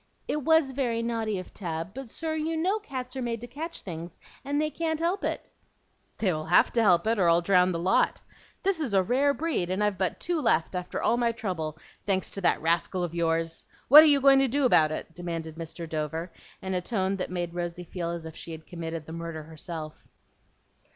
"It WAS very naughty of Tab; but, sir, you know cats are made to catch things, and they can't help it." "They will have to help it, or I'll drown the lot. This is a rare breed, and I've but two left after all my trouble, thanks to that rascal of yours! What are you going to do about it?" demanded Mr. Dover, in a tone that made Rosy feel as if she had committed the murder herself.